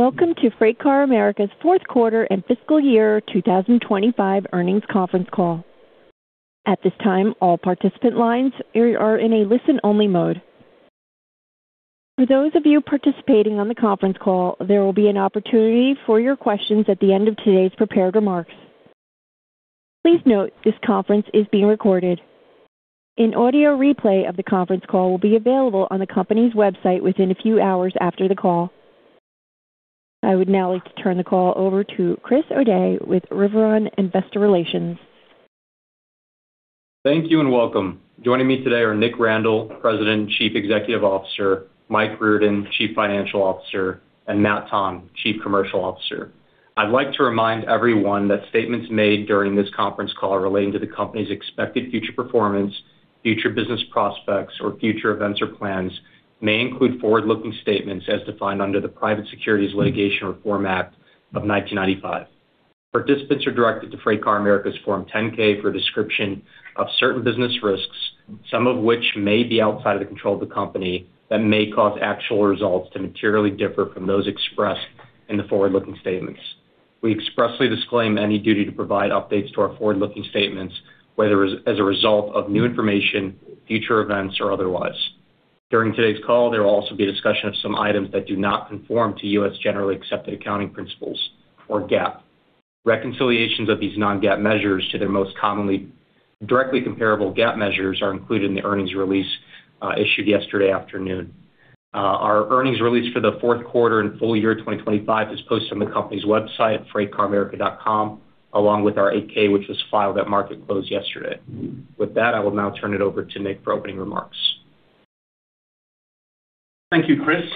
Welcome to FreightCar America's fourth quarter and fiscal year 2025 earnings conference call. At this time, all participant lines are in a listen-only mode. For those of you participating on the conference call, there will be an opportunity for your questions at the end of today's prepared remarks. Please note, this conference is being recorded. An audio replay of the conference call will be available on the company's website within a few hours after the call. I would now like to turn the call over to Chris O'Day with Riveron Investor Relations. Thank you and welcome. Joining me today are Nick Randall, President and Chief Executive Officer, Mike Riordan, Chief Financial Officer, and Matt Tonn, Chief Commercial Officer. I'd like to remind everyone that statements made during this conference call relating to the company's expected future performance, future business prospects, or future events or plans may include forward-looking statements as defined under the Private Securities Litigation Reform Act of 1995. Participants are directed to FreightCar America's Form 10-K for a description of certain business risks, some of which may be outside of the control of the company that may cause actual results to materially differ from those expressed in the forward-looking statements. We expressly disclaim any duty to provide updates to our forward-looking statements, whether as a result of new information, future events, or otherwise. During today's call, there will also be a discussion of some items that do not conform to U.S. generally accepted accounting principles, or GAAP. Reconciliations of these non-GAAP measures to their most commonly directly comparable GAAP measures are included in the earnings release issued yesterday afternoon. Our earnings release for the fourth quarter and full year 2025 is posted on the company's website at freightcaramerica.com, along with our 8-K, which was filed at market close yesterday. With that, I will now turn it over to Nicholas Randall for opening remarks. Thank you, Chris.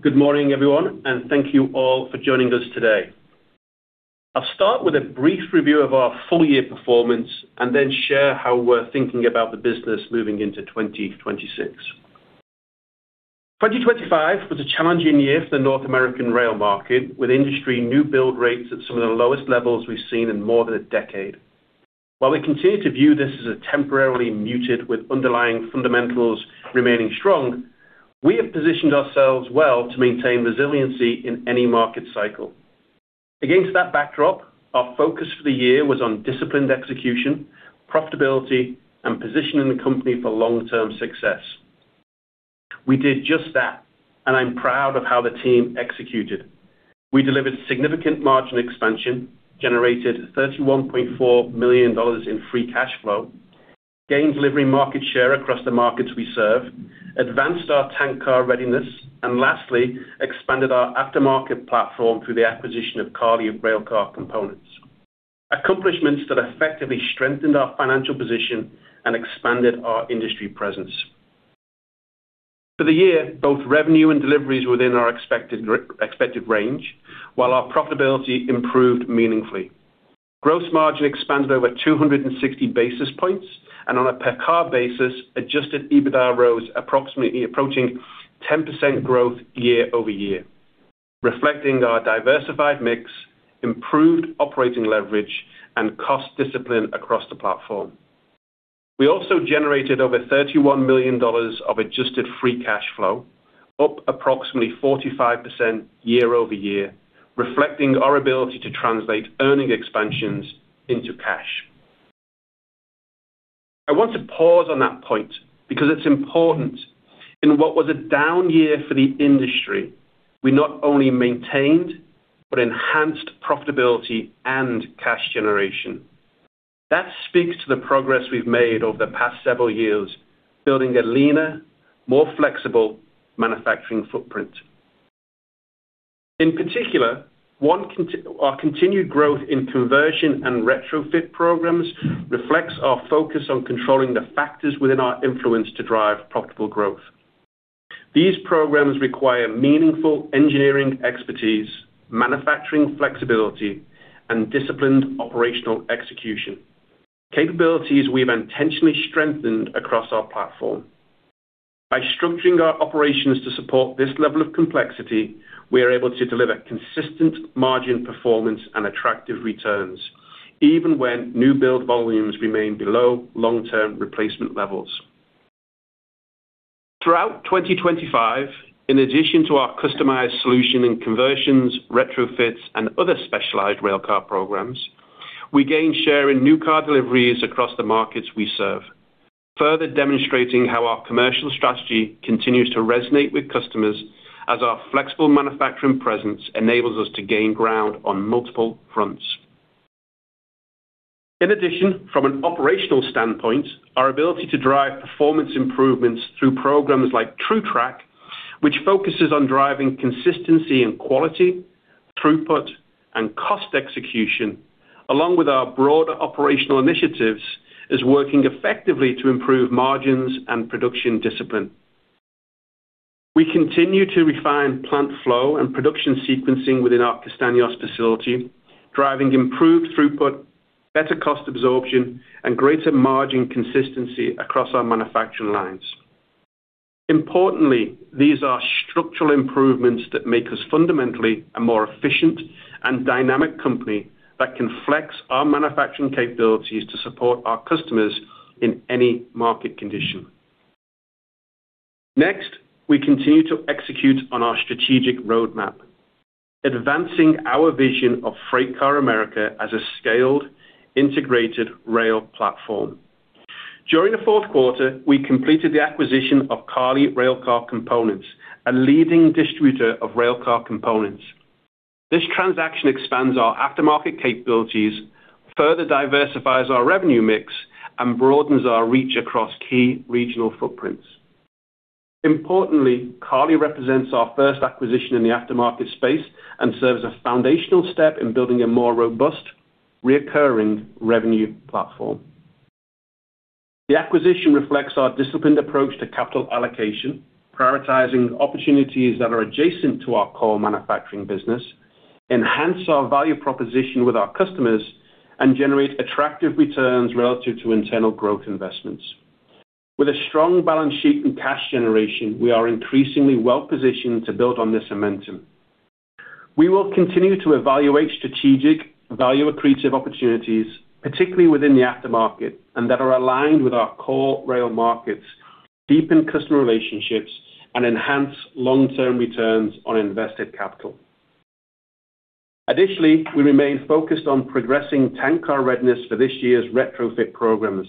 Good morning, everyone, and thank you all for joining us today. I'll start with a brief review of our full year performance and then share how we're thinking about the business moving into 2026. 2025 was a challenging year for the North American rail market, with industry new build rates at some of the lowest levels we've seen in more than a decade. While we continue to view this as a temporarily muted with underlying fundamentals remaining strong, we have positioned ourselves well to maintain resiliency in any market cycle. Against that backdrop, our focus for the year was on disciplined execution, profitability, and positioning the company for long-term success. We did just that, and I'm proud of how the team executed. We delivered significant margin expansion, generated $31.4 million in free cash flow, gained delivery market share across the markets we serve, advanced our tank car readiness, and lastly, expanded our aftermarket platform through the acquisition of Carli Railcar Components. Accomplishments that effectively strengthened our financial position and expanded our industry presence. For the year, both revenue and deliveries within our expected range, while our profitability improved meaningfully. Gross margin expanded over 260 basis points, and on a per-car basis, adjusted EBITDA rose approximately approaching 10% growth year-over-year, reflecting our diversified mix, improved operating leverage, and cost discipline across the platform. We also generated over $31 million of adjusted free cash flow, up approximately 45% year-over-year, reflecting our ability to translate earnings expansions into cash. I want to pause on that point because it's important. In what was a down year for the industry, we not only maintained but enhanced profitability and cash generation. That speaks to the progress we've made over the past several years, building a leaner, more flexible manufacturing footprint. In particular, our continued growth in conversion and retrofit programs reflects our focus on controlling the factors within our influence to drive profitable growth. These programs require meaningful engineering expertise, manufacturing flexibility, and disciplined operational execution, capabilities we've intentionally strengthened across our platform. By structuring our operations to support this level of complexity, we are able to deliver consistent margin performance and attractive returns even when new build volumes remain below long-term replacement levels. Throughout 2025, in addition to our customized solution in conversions, retrofits, and other specialized railcar programs, we gained share in new car deliveries across the markets we serve. Further demonstrating how our commercial strategy continues to resonate with customers as our flexible manufacturing presence enables us to gain ground on multiple fronts. In addition, from an operational standpoint, our ability to drive performance improvements through programs like TruTrack, which focuses on driving consistency in quality, throughput, and cost execution, along with our broader operational initiatives, is working effectively to improve margins and production discipline. We continue to refine plant flow and production sequencing within our Castaños facility, driving improved throughput, better cost absorption, and greater margin consistency across our manufacturing lines. Importantly, these are structural improvements that make us fundamentally a more efficient and dynamic company that can flex our manufacturing capabilities to support our customers in any market condition. Next, we continue to execute on our strategic roadmap, advancing our vision of FreightCar America as a scaled integrated rail platform. During the fourth quarter, we completed the acquisition of Carli Railcar Components, a leading distributor of railcar components. This transaction expands our aftermarket capabilities, further diversifies our revenue mix, and broadens our reach across key regional footprints. Importantly, Carli represents our first acquisition in the aftermarket space and serves as a foundational step in building a more robust recurring revenue platform. The acquisition reflects our disciplined approach to capital allocation, prioritizing opportunities that are adjacent to our core manufacturing business, enhance our value proposition with our customers, and generate attractive returns relative to internal growth investments. With a strong balance sheet and cash generation, we are increasingly well-positioned to build on this momentum. We will continue to evaluate strategic value accretive opportunities, particularly within the aftermarket, and that are aligned with our core rail markets, deepen customer relationships, and enhance long-term returns on invested capital. Additionally, we remain focused on progressing tank car readiness for this year's retrofit programs.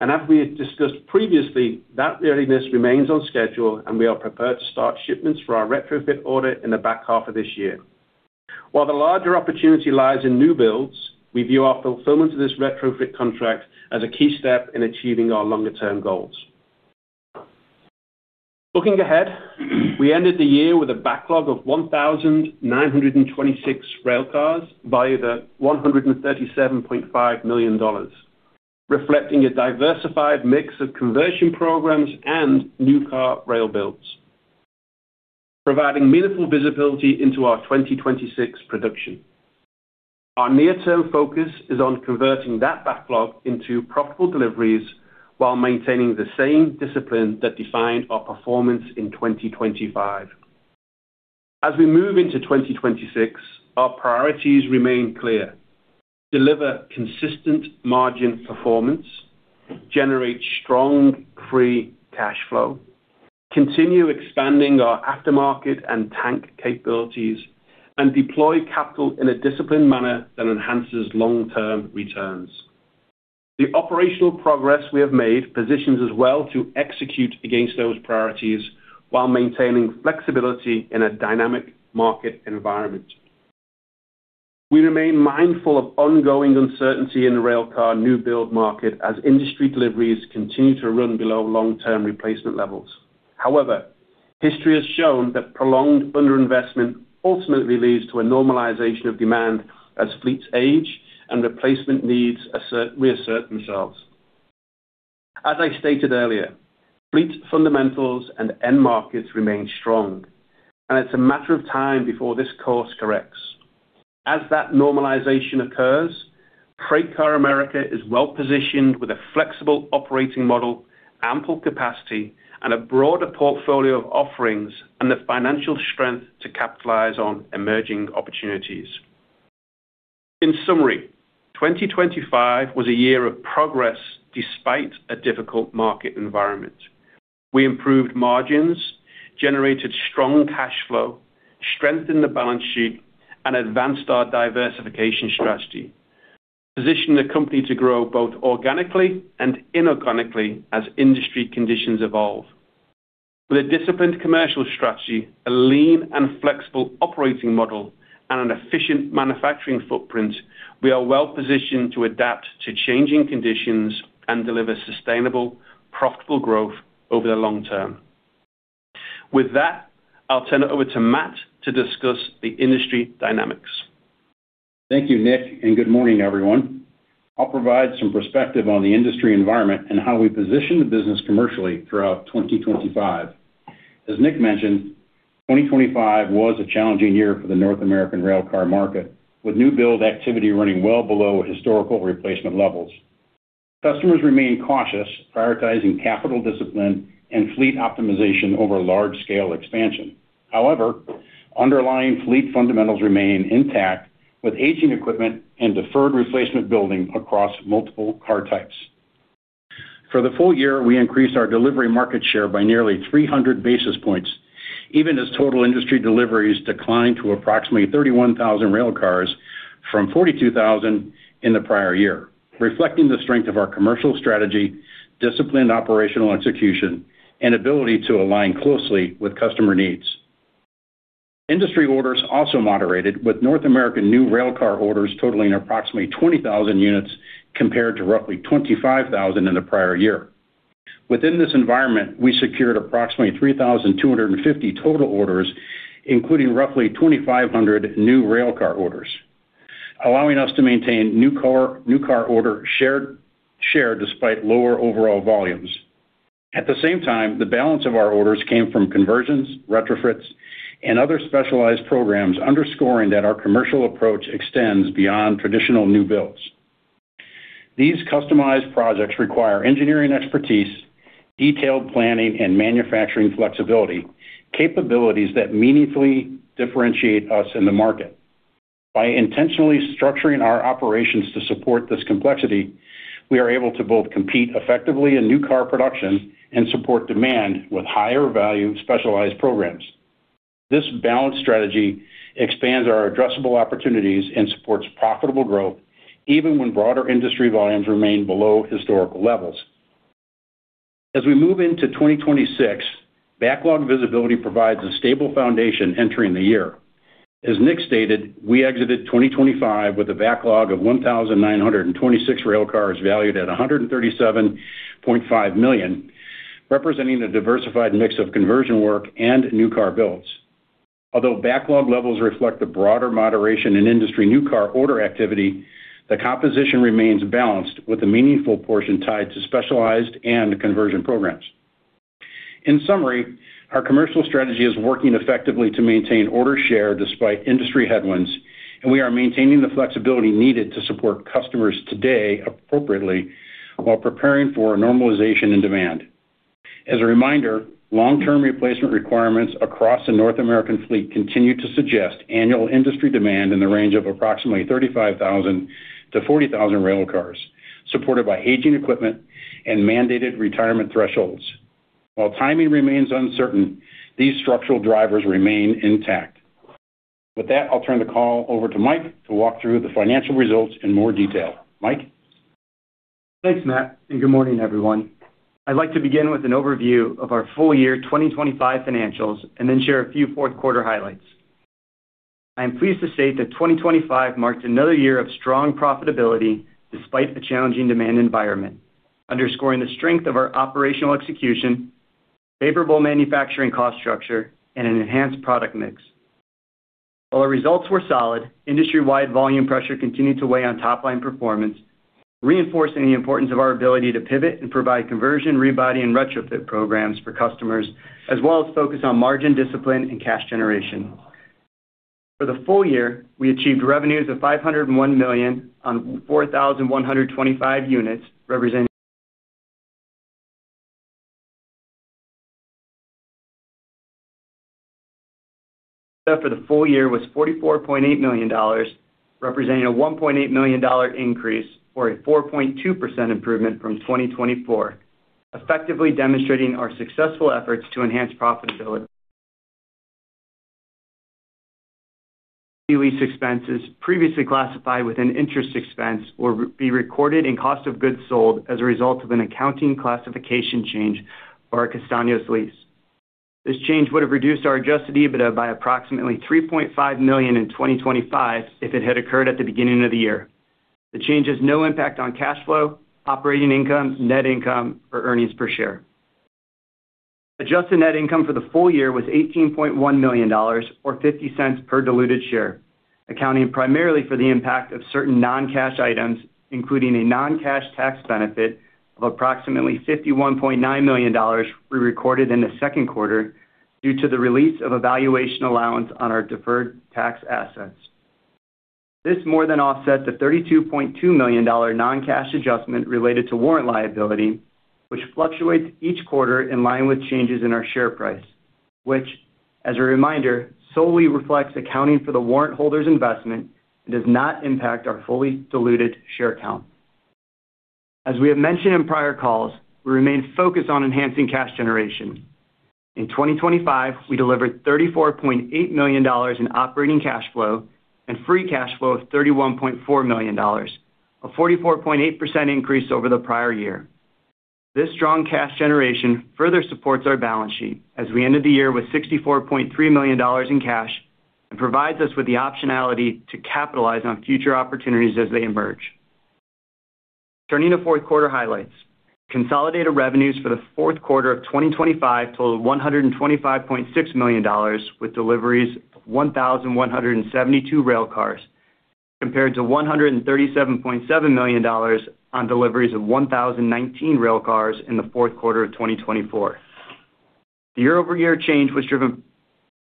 As we had discussed previously, that readiness remains on schedule, and we are prepared to start shipments for our retrofit order in the back half of this year. While the larger opportunity lies in new builds, we view our fulfillment of this retrofit contract as a key step in achieving our longer-term goals. Looking ahead, we ended the year with a backlog of 1,926 railcars valued at $137.5 million, reflecting a diversified mix of conversion programs and new railcar builds, providing meaningful visibility into our 2026 production. Our near-term focus is on converting that backlog into profitable deliveries while maintaining the same discipline that defined our performance in 2025. As we move into 2026, our priorities remain clear, deliver consistent margin performance, generate strong free cash flow, continue expanding our aftermarket and tank capabilities, and deploy capital in a disciplined manner that enhances long-term returns. The operational progress we have made positions us well to execute against those priorities while maintaining flexibility in a dynamic market environment. We remain mindful of ongoing uncertainty in the railcar new build market as industry deliveries continue to run below long-term replacement levels. However, history has shown that prolonged underinvestment ultimately leads to a normalization of demand as fleets age and replacement needs reassert themselves. As I stated earlier, fleet fundamentals and end markets remain strong, and it's a matter of time before this course corrects. As that normalization occurs, FreightCar America is well-positioned with a flexible operating model, ample capacity, and a broader portfolio of offerings, and the financial strength to capitalize on emerging opportunities. In summary, 2025 was a year of progress despite a difficult market environment. We improved margins, generated strong cash flow, strengthened the balance sheet, and advanced our diversification strategy, positioning the company to grow both organically and inorganically as industry conditions evolve. With a disciplined commercial strategy, a lean and flexible operating model, and an efficient manufacturing footprint, we are well-positioned to adapt to changing conditions and deliver sustainable, profitable growth over the long term. With that, I'll turn it over to Matt to discuss the industry dynamics. Thank you, Nick, and good morning, everyone. I'll provide some perspective on the industry environment and how we position the business commercially throughout 2025. As Nick mentioned, 2025 was a challenging year for the North American railcar market, with new build activity running well below historical replacement levels. Customers remain cautious, prioritizing capital discipline and fleet optimization over large-scale expansion. However, underlying fleet fundamentals remain intact with aging equipment and deferred replacement building across multiple car types. For the full year, we increased our delivery market share by nearly 300 basis points, even as total industry deliveries declined to approximately 31,000 railcars from 42,000 in the prior year, reflecting the strength of our commercial strategy, disciplined operational execution, and ability to align closely with customer needs. Industry orders also moderated, with North American new railcar orders totaling approximately 20,000 units compared to roughly 25,000 in the prior year. Within this environment, we secured approximately 3,250 total orders, including roughly 2,500 new railcar orders, allowing us to maintain new car order share despite lower overall volumes. At the same time, the balance of our orders came from conversions, retrofits, and other specialized programs, underscoring that our commercial approach extends beyond traditional new builds. These customized projects require engineering expertise, detailed planning, and manufacturing flexibility, capabilities that meaningfully differentiate us in the market. By intentionally structuring our operations to support this complexity, we are able to both compete effectively in new car production and support demand with higher value specialized programs. This balanced strategy expands our addressable opportunities and supports profitable growth even when broader industry volumes remain below historical levels. As we move into 2026, backlog visibility provides a stable foundation entering the year. As Nick stated, we exited 2025 with a backlog of 1,926 railcars valued at $137.5 million, representing a diversified mix of conversion work and new car builds. Although backlog levels reflect the broader moderation in industry new car order activity, the composition remains balanced with a meaningful portion tied to specialized and conversion programs. In summary, our commercial strategy is working effectively to maintain order share despite industry headwinds, and we are maintaining the flexibility needed to support customers today appropriately while preparing for a normalization in demand. As a reminder, long-term replacement requirements across the North American fleet continue to suggest annual industry demand in the range of approximately 35,000-40,000 railcars, supported by aging equipment and mandated retirement thresholds. While timing remains uncertain, these structural drivers remain intact. With that, I'll turn the call over to Mike to walk through the financial results in more detail. Mike? Thanks, Matt, and good morning, everyone. I'd like to begin with an overview of our full year 2025 financials and then share a few fourth quarter highlights. I am pleased to say that 2025 marked another year of strong profitability despite a challenging demand environment, underscoring the strength of our operational execution, favorable manufacturing cost structure, and an enhanced product mix. While our results were solid, industry-wide volume pressure continued to weigh on top line performance, reinforcing the importance of our ability to pivot and provide conversion, rebody, and retrofit programs for customers, as well as focus on margin discipline and cash generation. For the full year, we achieved revenues of $501 million on 4,125 units, representing for the full year was $44.8 million, representing a $1.8 million increase or a 4.2% improvement from 2024, effectively demonstrating our successful efforts to enhance profitability. Lease expenses previously classified with an interest expense will be recorded in cost of goods sold as a result of an accounting classification change for our Castaños lease. This change would have reduced our adjusted EBITDA by approximately $3.5 million in 2025 if it had occurred at the beginning of the year. The change has no impact on cash flow, operating income, net income or earnings per share. Adjusted net income for the full year was $18.1 million or $0.50 per diluted share, accounting primarily for the impact of certain non-cash items, including a non-cash tax benefit of approximately $51.9 million we recorded in the second quarter due to the release of a valuation allowance on our deferred tax assets. This more than offsets the $32.2 million non-cash adjustment related to warrant liability, which fluctuates each quarter in line with changes in our share price, which as a reminder, solely reflects accounting for the warrant holders investment and does not impact our fully diluted share count. As we have mentioned in prior calls, we remain focused on enhancing cash generation. In 2025, we delivered $34.8 million in operating cash flow and free cash flow of $31.4 million, a 44.8% increase over the prior year. This strong cash generation further supports our balance sheet as we ended the year with $64.3 million in cash and provides us with the optionality to capitalize on future opportunities as they emerge. Turning to fourth quarter highlights. Consolidated revenues for the fourth quarter of 2025 totaled $125.6 million with deliveries of 1,172 railcars compared to $137.7 million on deliveries of 1,019 railcars in the fourth quarter of 2024. The year-over-year change was driven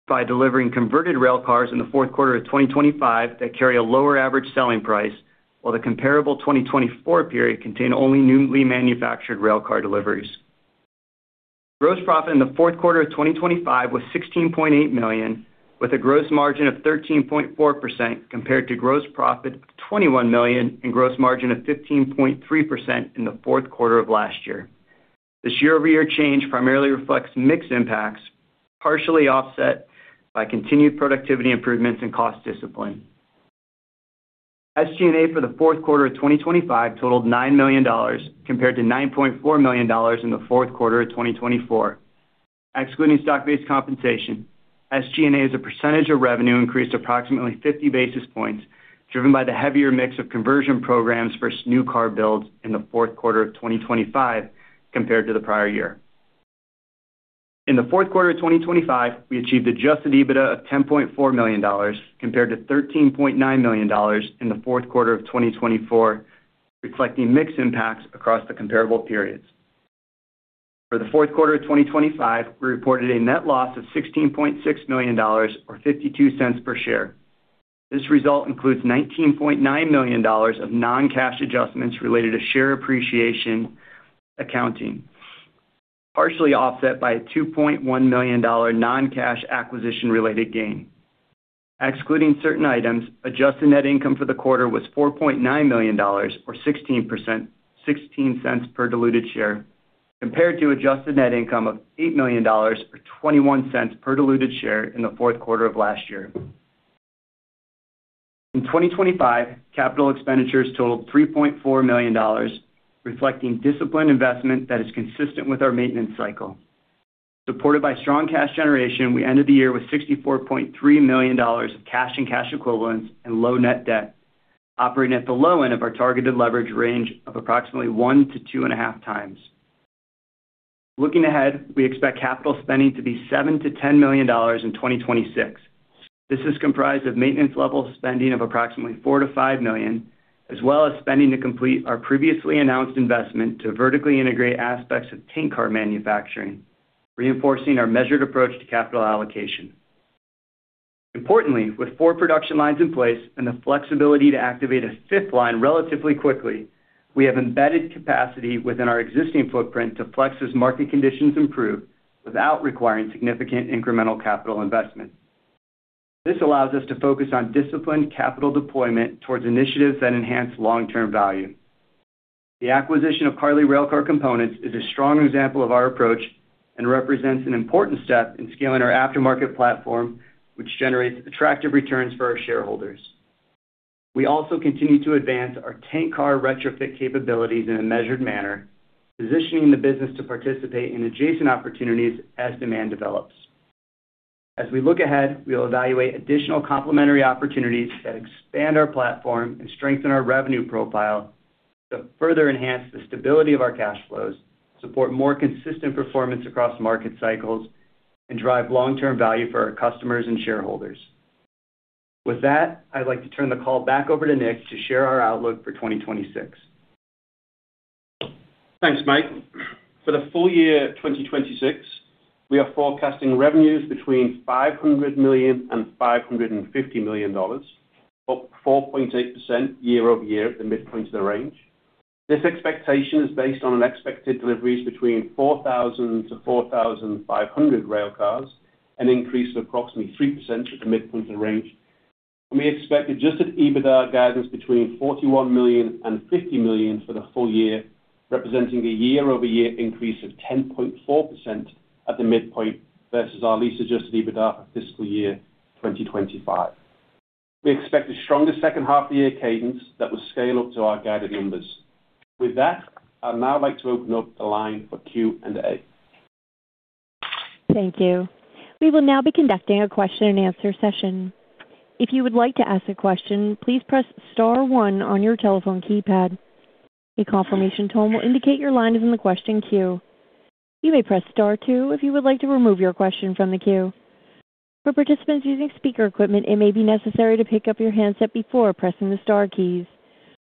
by delivering converted railcars in the fourth quarter of 2025 that carry a lower average selling price while the comparable 2024 period contained only newly manufactured railcar deliveries. Gross profit in the fourth quarter of 2025 was $16.8 million, with a gross margin of 13.4% compared to gross profit of $21 million and gross margin of 15.3% in the fourth quarter of last year. This year-over-year change primarily reflects mix impacts, partially offset by continued productivity improvements and cost discipline. SG&A for the fourth quarter of 2025 totaled $9 million compared to $9.4 million in the fourth quarter of 2024. Excluding stock-based compensation, SG&A as a percentage of revenue increased approximately 50 basis points, driven by the heavier mix of conversion programs versus new car builds in the fourth quarter of 2025 compared to the prior year. In the fourth quarter of 2025, we achieved adjusted EBITDA of $10.4 million compared to $13.9 million in the fourth quarter of 2024, reflecting mix impacts across the comparable periods. For the fourth quarter of 2025, we reported a net loss of $16.6 million or $0.52 per share. This result includes $19.9 million of non-cash adjustments related to share appreciation accounting. Partially offset by a $2.1 million non-cash acquisition-related gain. Excluding certain items, adjusted net income for the quarter was $4.9 million, or $0.16 per diluted share, compared to adjusted net income of $8 million, or $0.21 per diluted share in the fourth quarter of last year. In 2025, capital expenditures totaled $3.4 million, reflecting disciplined investment that is consistent with our maintenance cycle. Supported by strong cash generation, we ended the year with $64.3 million of cash and cash equivalents and low net debt, operating at the low end of our targeted leverage range of approximately 1-2.5 times. Looking ahead, we expect capital spending to be $7 million-$10 million in 2026. This is comprised of maintenance level spending of approximately $4 million-$5 million, as well as spending to complete our previously announced investment to vertically integrate aspects of tank car manufacturing, reinforcing our measured approach to capital allocation. Importantly, with four production lines in place and the flexibility to activate a fifth line relatively quickly, we have embedded capacity within our existing footprint to flex as market conditions improve without requiring significant incremental capital investment. This allows us to focus on disciplined capital deployment towards initiatives that enhance long-term value. The acquisition of Carli Railcar Components is a strong example of our approach and represents an important step in scaling our aftermarket platform, which generates attractive returns for our shareholders. We also continue to advance our tank car retrofit capabilities in a measured manner, positioning the business to participate in adjacent opportunities as demand develops. As we look ahead, we will evaluate additional complementary opportunities that expand our platform and strengthen our revenue profile to further enhance the stability of our cash flows, support more consistent performance across market cycles, and drive long-term value for our customers and shareholders. With that, I'd like to turn the call back over to Nick to share our outlook for 2026. Thanks, Mike. For the full year of 2026, we are forecasting revenues between $500 million and $550 million, up 4.8% year over year at the midpoint of the range. This expectation is based on expected deliveries between 4,000-4,500 rail cars, an increase of approximately 3% at the midpoint of the range. We expect adjusted EBITDA guidance between $41 million and $50 million for the full year, representing a year-over-year increase of 10.4% at the midpoint versus our lease-adjusted EBITDA for fiscal year 2025. We expect a stronger second half of the year cadence that will scale up to our guided numbers. With that, I'd now like to open up the line for Q&A. Thank you. We will now be conducting a question-and-answer session. If you would like to ask a question, please press star one on your telephone keypad. A confirmation tone will indicate your line is in the question queue. You may press star two if you would like to remove your question from the queue. For participants using speaker equipment, it may be necessary to pick up your handset before pressing the star keys.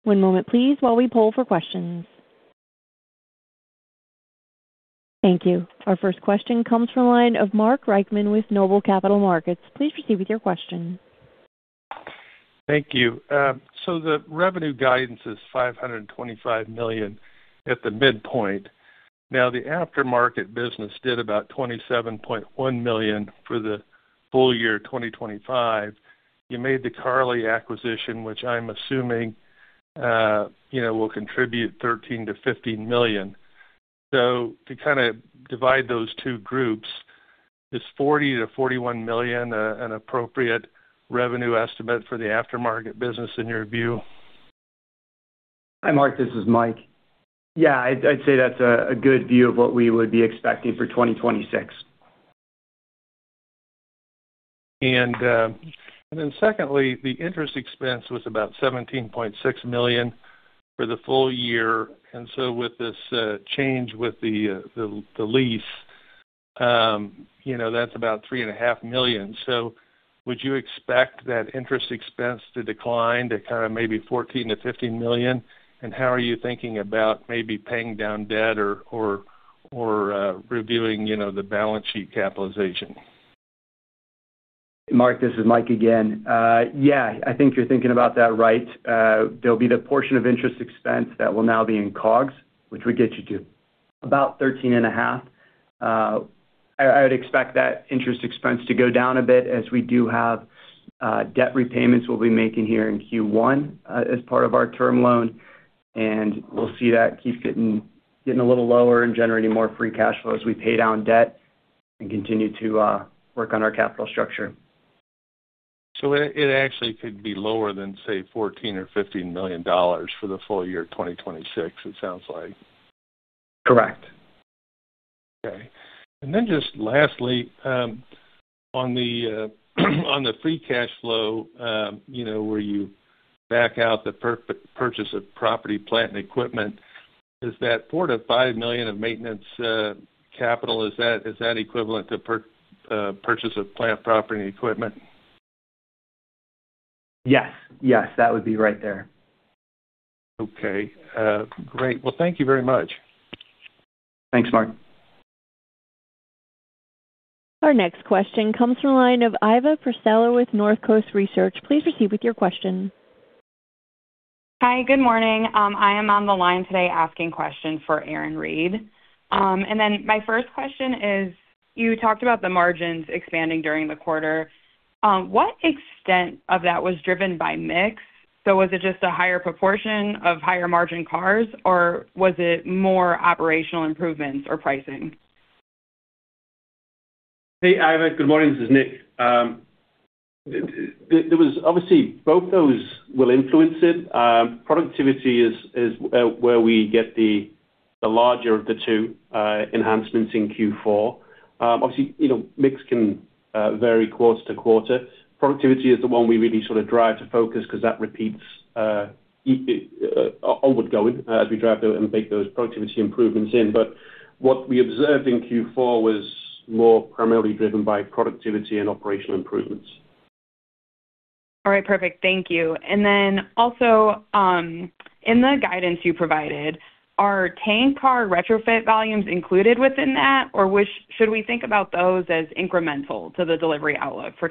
One moment please while we poll for questions. Thank you. Our first question comes from the line of Mark Reichman with Noble Capital Markets. Please proceed with your question. Thank you. The revenue guidance is $525 million at the midpoint. Now, the aftermarket business did about $27.1 million for the full year 2025. You made the Carli acquisition, which I'm assuming will contribute $13 million-$15 million. To kinda divide those two groups, is $40 million-$41 million an appropriate revenue estimate for the aftermarket business in your view? Hi, Mark, this is Mike. Yeah, I'd say that's a good view of what we would be expecting for 2026. Then secondly, the interest expense was about $17.6 million for the full year, and so with this change with the lease, you know, that's about $3.5 million. Would you expect that interest expense to decline to kinda maybe $14 million-$15 million? How are you thinking about maybe paying down debt or reviewing, you know, the balance sheet capitalization? Mark, this is Mike again. Yeah, I think you're thinking about that right. There'll be the portion of interest expense that will now be in COGS, which would get you to about 13.5. I would expect that interest expense to go down a bit as we do have debt repayments we'll be making here in Q1 as part of our term loan. We'll see that keep getting a little lower and generating more free cash flow as we pay down debt and continue to work on our capital structure. It actually could be lower than, say, $14 million-$15 million for the full year 2026, it sounds like. Correct. Just lastly, on the free cash flow, you know, where you back out the purchase of property, plant, and equipment, is that $4 million-$5 million of maintenance capital, is that equivalent to purchase of plant, property, and equipment? Yes. Yes, that would be right there. Okay. Great. Well, thank you very much. Thanks, Mark. Our next question comes from the line of Iva Priscilla with North Coast Research. Please proceed with your question. Hi, good morning. I am on the line today asking questions for Aaron Reed. My first question is, you talked about the margins expanding during the quarter. What extent of that was driven by mix? Was it just a higher proportion of higher margin cars, or was it more operational improvements or pricing? Hey, Iva. Good morning. This is Nick. There was obviously both those will influence it. Productivity is where we get the larger of the two enhancements in Q4. Obviously, you know, mix can vary quarter to quarter. Productivity is the one we really sort of drive to focus 'cause that repeats ongoing as we drive and bake those productivity improvements in. What we observed in Q4 was more primarily driven by productivity and operational improvements. All right. Perfect. Thank you. Also, in the guidance you provided, are tank car retrofit volumes included within that, or which should we think about those as incremental to the delivery outlook for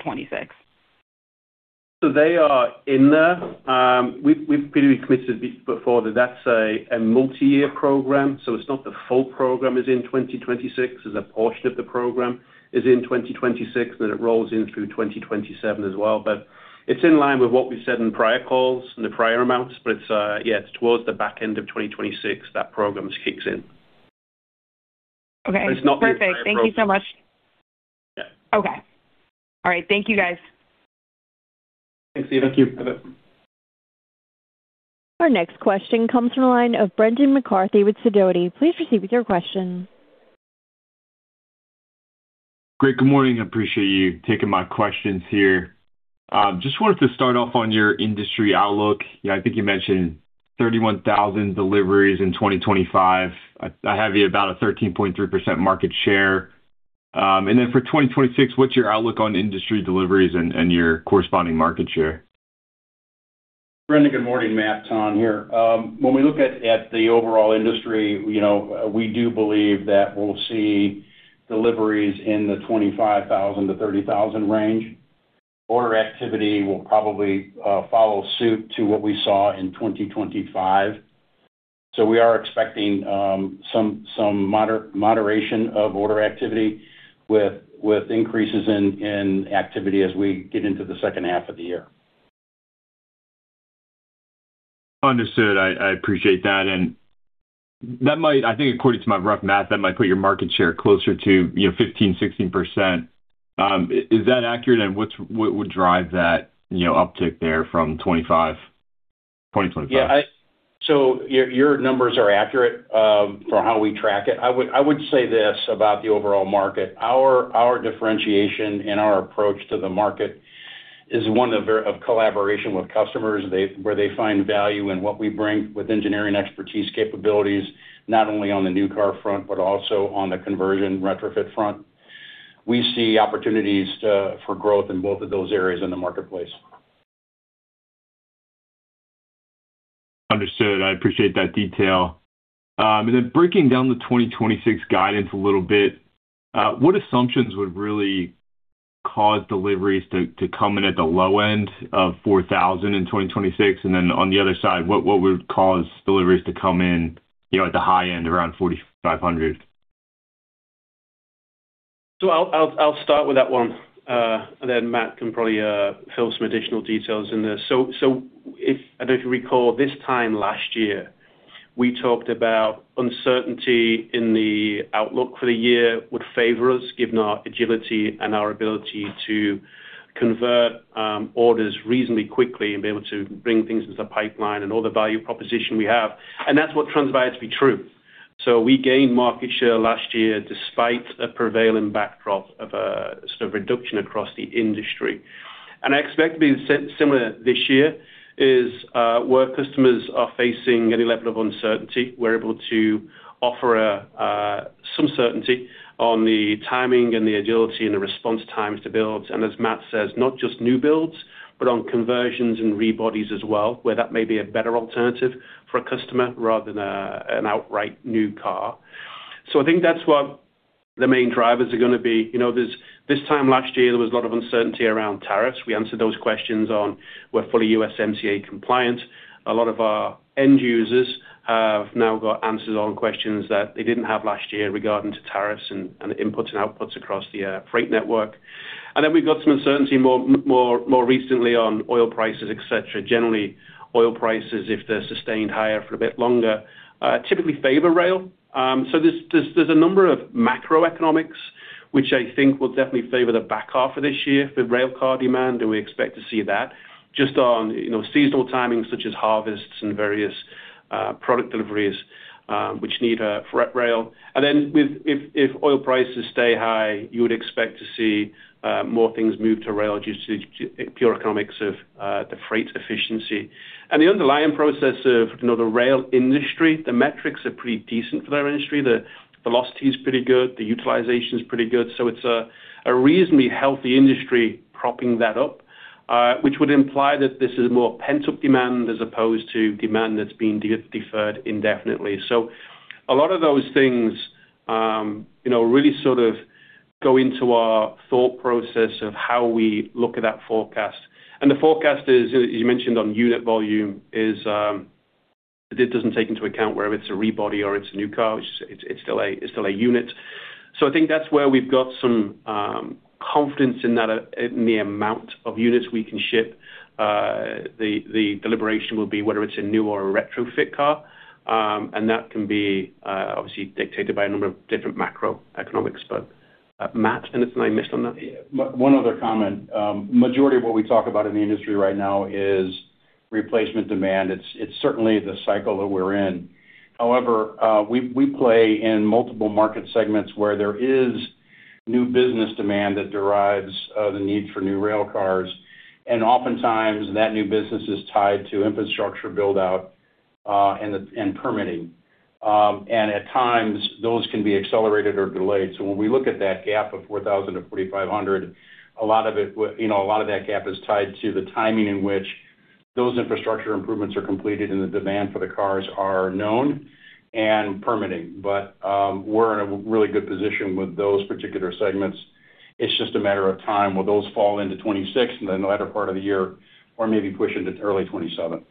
2026? They are in there. We've previously committed before that that's a multi-year program, so it's not the full program is in 2026. There's a portion of the program is in 2026, then it rolls in through 2027 as well. It's in line with what we said in prior calls and the prior amounts, it's towards the back end of 2026 that program kicks in. Okay. It's not the entire program. Perfect. Thank you so much. Yeah. Okay. All right. Thank you, guys. Thanks. Thank you, Iva. Our next question comes from the line of Brendan McCarthy with Sidoti. Please proceed with your question. Great, good morning. I appreciate you taking my questions here. Just wanted to start off on your industry outlook. Yeah, I think you mentioned 31,000 deliveries in 2025. I have you about a 13.3% market share. For 2026, what's your outlook on industry deliveries and your corresponding market share? Brendan, good morning. Matt Tonn here. When we look at the overall industry, you know, we do believe that we'll see deliveries in the 25,000-30,000 range. Order activity will probably follow suit to what we saw in 2025. We are expecting some moderation of order activity with increases in activity as we get into the second half of the year. Understood. I appreciate that. That might, I think according to my rough math, that might put your market share closer to, you know, 15%-16%. Is that accurate? What would drive that, you know, uptick there from 25, 2025? Yeah, your numbers are accurate for how we track it. I would say this about the overall market. Our differentiation and our approach to the market is one of collaboration with customers where they find value in what we bring with engineering expertise capabilities, not only on the new car front, but also on the conversion retrofit front. We see opportunities for growth in both of those areas in the marketplace. Understood. I appreciate that detail. Breaking down the 2026 guidance a little bit, what assumptions would really cause deliveries to come in at the low end of 4,000 in 2026? On the other side, what would cause deliveries to come in, you know, at the high end around 4,500? I'll start with that one, and then Matt can probably fill some additional details in there. I don't know if you recall this time last year, we talked about uncertainty in the outlook for the year would favor us given our agility and our ability to convert orders reasonably quickly and be able to bring things into the pipeline and all the value proposition we have. That's what transpired to be true. We gained market share last year despite a prevailing backdrop of sort of reduction across the industry. I expect to be similar this year, where customers are facing any level of uncertainty, we're able to offer some certainty on the timing and the agility and the response times to builds. As Matt says, not just new builds, but on conversions and rebodies as well, where that may be a better alternative for a customer rather than an outright new car. I think that's what the main drivers are gonna be. You know, this time last year, there was a lot of uncertainty around tariffs. We answered those questions on we're fully USMCA compliant. A lot of our end users have now got answers on questions that they didn't have last year regarding to tariffs and inputs and outputs across the freight network. We've got some uncertainty more recently on oil prices, et cetera. Generally, oil prices, if they're sustained higher for a bit longer, typically favor rail. There's a number of macroeconomics which I think will definitely favor the back half of this year for rail car demand, and we expect to see that just on, you know, seasonal timings such as harvests and various product deliveries, which need a freight rail. If oil prices stay high, you would expect to see more things move to rail due to the pure economics of the freight efficiency. The underlying progress of, you know, the rail industry, the metrics are pretty decent for that industry. The velocity is pretty good, the utilization is pretty good, so it's a reasonably healthy industry propping that up. Which would imply that this is more pent-up demand as opposed to demand that's being deferred indefinitely. A lot of those things, you know, really sort of go into our thought process of how we look at that forecast. The forecast is, as you mentioned on unit volume is, it doesn't take into account whether it's a rebody or it's a new car, it's still a unit. I think that's where we've got some confidence in that, in the amount of units we can ship. The deliberation will be whether it's a new or a retrofit car, and that can be obviously dictated by a number of different macroeconomics. Matt, anything I missed on that? One other comment. Majority of what we talk about in the industry right now is replacement demand. It's certainly the cycle that we're in. However, we play in multiple market segments where there is new business demand that derives the need for new railcars. Oftentimes that new business is tied to infrastructure build out and permitting. At times those can be accelerated or delayed. When we look at that gap of 4,000-4,500, a lot of it, you know, a lot of that gap is tied to the timing in which those infrastructure improvements are completed and the demand for the cars are known and permitting. We're in a really good position with those particular segments. It's just a matter of time. Will those fall into 2026 in the latter part of the year or maybe push into early 2027?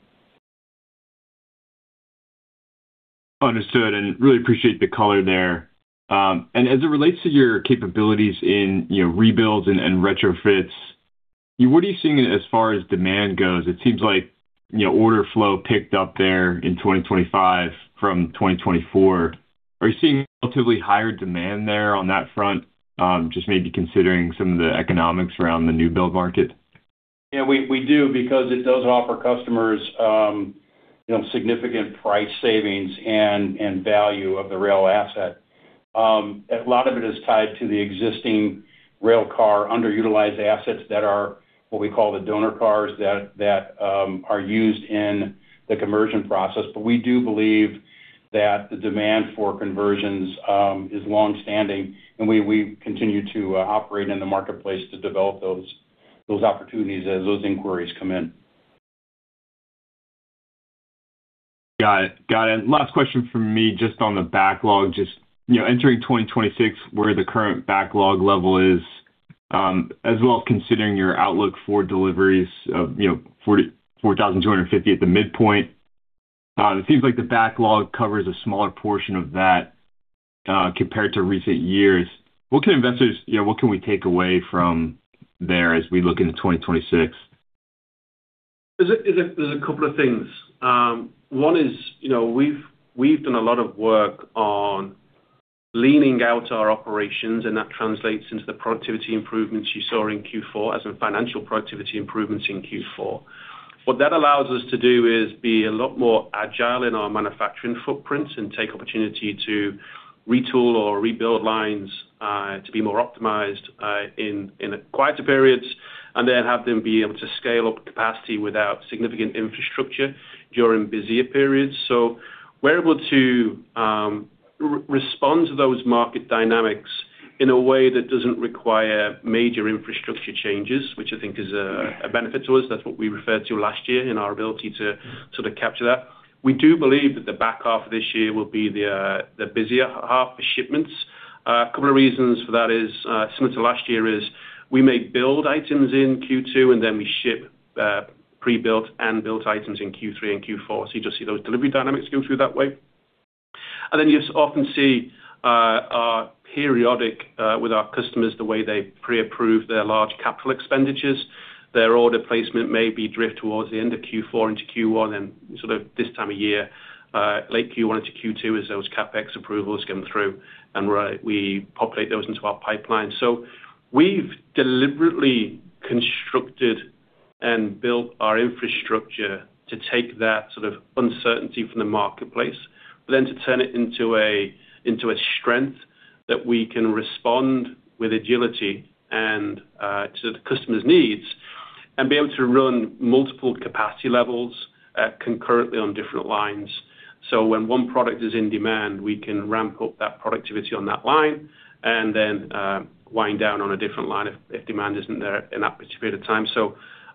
Understood, really appreciate the color there. As it relates to your capabilities in, you know, rebuilds and retrofits, what are you seeing as far as demand goes? It seems like, you know, order flow picked up there in 2025 from 2024. Are you seeing relatively higher demand there on that front, just maybe considering some of the economics around the new build market? Yeah, we do because it does offer customers, you know, significant price savings and value of the rail asset. A lot of it is tied to the existing railcar underutilized assets that are what we call the donor cars that are used in the conversion process. We do believe that the demand for conversions is longstanding, and we continue to operate in the marketplace to develop those opportunities as those inquiries come in. Got it. Last question from me, just on the backlog, just, you know, entering 2026, where the current backlog level is, as well as considering your outlook for deliveries of, you know, 4,250 at the midpoint. It seems like the backlog covers a smaller portion of that, compared to recent years. What can investors, you know, what can we take away from there as we look into 2026? There's a couple of things. One is, you know, we've done a lot of work on leaning out our operations, and that translates into the productivity improvements you saw in Q4 as in financial productivity improvements in Q4. What that allows us to do is be a lot more agile in our manufacturing footprint and take opportunity to retool or rebuild lines to be more optimized in quieter periods, and then have them be able to scale up capacity without significant infrastructure during busier periods. We're able to respond to those market dynamics in a way that doesn't require major infrastructure changes, which I think is a benefit to us. That's what we referred to last year in our ability to sort of capture that. We do believe that the back half of this year will be the busier half for shipments. A couple of reasons for that is similar to last year, we may build items in Q2, and then we ship prebuilt and built items in Q3 and Q4. You just see those delivery dynamics go through that way. You often see with our customers the way they pre-approve their large capital expenditures, their order placement may drift towards the end of Q4 into Q1. Sort of this time of year, late Q1 into Q2 as those CapEx approvals come through, and we populate those into our pipeline. We've deliberately constructed and built our infrastructure to take that sort of uncertainty from the marketplace, but then to turn it into a strength that we can respond with agility and to the customer's needs and be able to run multiple capacity levels concurrently on different lines. When one product is in demand, we can ramp up that productivity on that line and then wind down on a different line if demand isn't there in that particular period of time.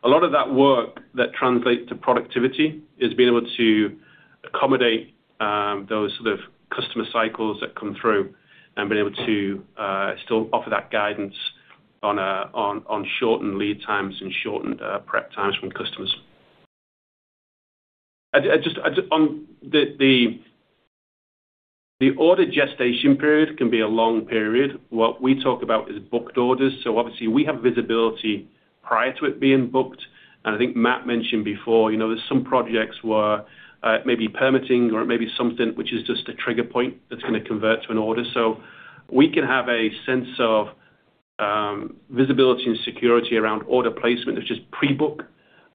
A lot of that work that translates to productivity is being able to accommodate those sort of customer cycles that come through and being able to still offer that guidance on shortened lead times and shortened prep times from customers. I just on the order gestation period can be a long period. What we talk about is booked orders, so obviously we have visibility prior to it being booked. I think Matt mentioned before, you know, there's some projects where it may be permitting or it may be something which is just a trigger point that's gonna convert to an order. We can have a sense of visibility and security around order placement, which is pre-book,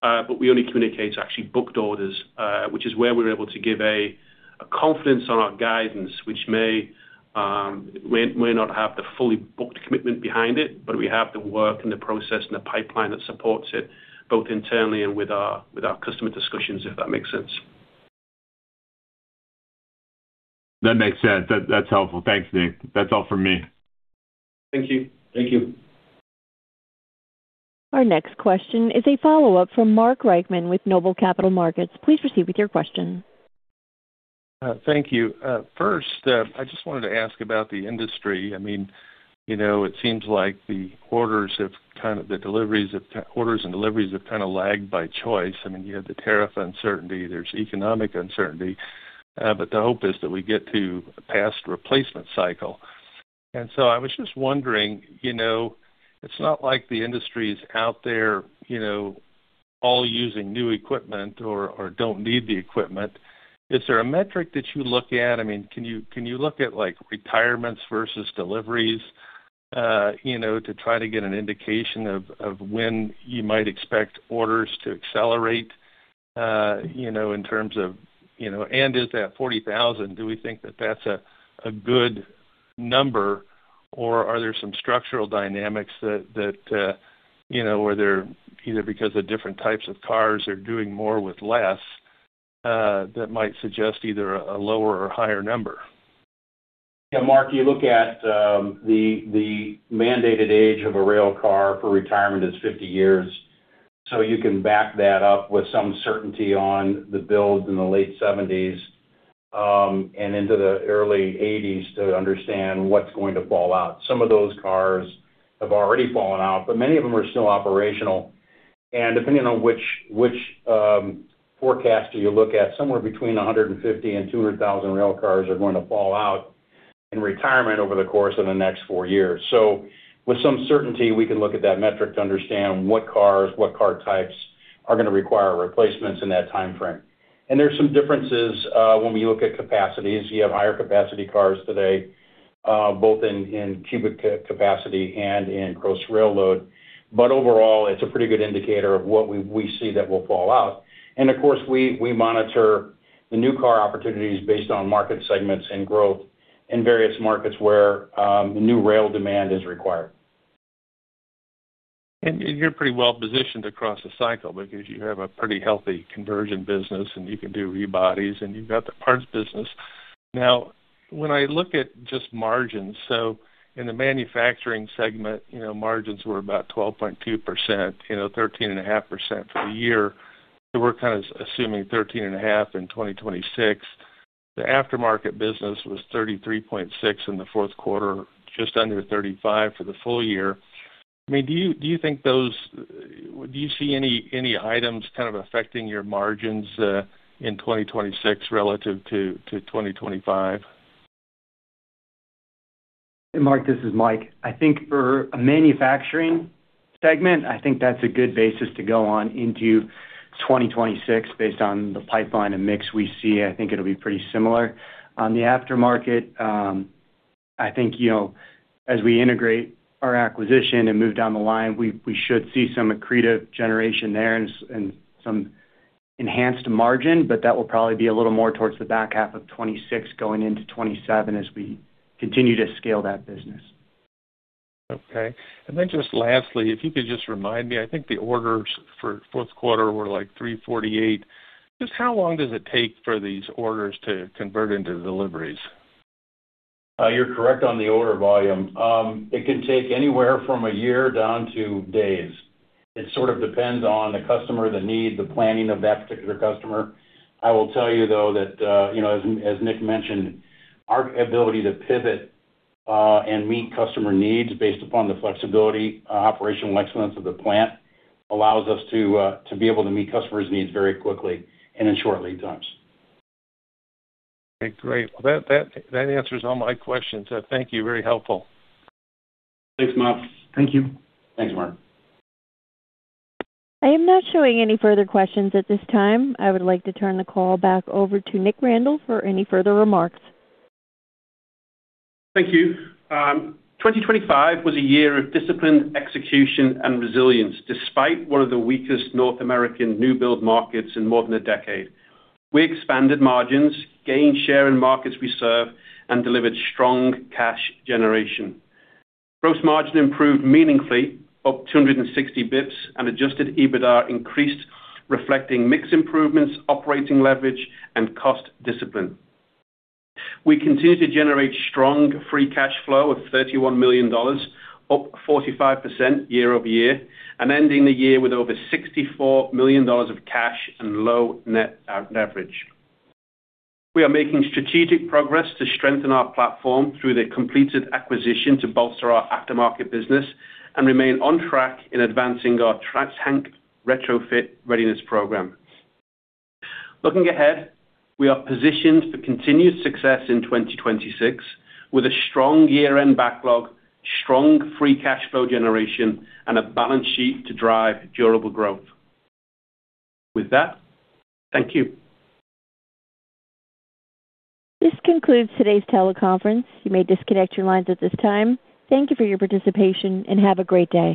but we only communicate to actually booked orders, which is where we're able to give a confidence on our guidance, which may not have the fully booked commitment behind it, but we have the work and the process and the pipeline that supports it, both internally and with our customer discussions, if that makes sense. That makes sense. That, that's helpful. Thanks, Nick. That's all for me. Thank you. Thank you. Our next question is a follow-up from Mark Reichman with Noble Capital Markets. Please proceed with your question. Thank you. First, I just wanted to ask about the industry. I mean, you know, it seems like the orders and deliveries have kind of lagged by choice. I mean, you have the tariff uncertainty, there's economic uncertainty, but the hope is that we get to a past replacement cycle. I was just wondering, you know, it's not like the industry's out there, you know, all using new equipment or don't need the equipment. Is there a metric that you look at? I mean, can you look at like retirements versus deliveries, you know, to try to get an indication of when you might expect orders to accelerate, you know, in terms of, you know. Is that 40,000? Do we think that that's a good number, or are there some structural dynamics that, you know, where they're either because of different types of cars are doing more with less, that might suggest either a lower or higher number? Yeah, Mark, you look at the mandated age of a rail car for retirement is 50 years. You can back that up with some certainty on the builds in the late 1970s and into the early 1980s to understand what's going to fall out. Some of those cars have already fallen out, but many of them are still operational. Depending on which forecaster you look at, somewhere between 150-200,000 rail cars are going to fall out in retirement over the course of the next four years. With some certainty, we can look at that metric to understand what cars, what car types are gonna require replacements in that timeframe. There's some differences when we look at capacities. You have higher capacity cars today, both in cubic capacity and in gross rail load. Overall, it's a pretty good indicator of what we see that will fall out. Of course, we monitor the new car opportunities based on market segments and growth in various markets where the new rail demand is required. You're pretty well-positioned across the cycle because you have a pretty healthy conversion business, and you can do rebodies, and you've got the parts business. Now, when I look at just margins, so in the manufacturing segment, you know, margins were about 12.2%, you know, 13.5% for the year. We're kind of assuming 13.5% in 2026. The aftermarket business was 33.6% in the fourth quarter, just under 35% for the full year. I mean, do you think those—do you see any items kind of affecting your margins in 2026 relative to 2025? Mark, this is Mike. I think for a manufacturing segment, I think that's a good basis to go on into 2026 based on the pipeline and mix we see. I think it'll be pretty similar. On the aftermarket, I think, you know, as we integrate our acquisition and move down the line, we should see some accretive generation there and some enhanced margin, but that will probably be a little more towards the back half of 2026 going into 2027 as we continue to scale that business. Okay. Then just lastly, if you could just remind me, I think the orders for fourth quarter were like 348. Just how long does it take for these orders to convert into deliveries? You're correct on the order volume. It can take anywhere from a year down to days. It sort of depends on the customer, the need, the planning of that particular customer. I will tell you, though, that, you know, as Nicholas mentioned, our ability to pivot and meet customer needs based upon the flexibility, operational excellence of the plant allows us to be able to meet customers' needs very quickly and in short lead times. Okay, great. Well, that answers all my questions. Thank you. Very helpful. Thanks, Mark. Thank you. Thanks, Mark. I am not showing any further questions at this time. I would like to turn the call back over to Nicholas Randall for any further remarks. Thank you. 2025 was a year of disciplined execution and resilience despite one of the weakest North American new build markets in more than a decade. We expanded margins, gained share in markets we serve, and delivered strong cash generation. Gross margin improved meaningfully, up 260 basis points, and adjusted EBITDA increased, reflecting mix improvements, operating leverage, and cost discipline. We continue to generate strong free cash flow of $31 million, up 45% year-over-year, and ending the year with over $64 million of cash and low net leverage. We are making strategic progress to strengthen our platform through the completed acquisition to bolster our aftermarket business and remain on track in advancing our tank retrofit readiness program. Looking ahead, we are positioned for continued success in 2026 with a strong year-end backlog, strong free cash flow generation, and a balance sheet to drive durable growth. With that, thank you. This concludes today's teleconference. You may disconnect your lines at this time. Thank you for your participation, and have a great day.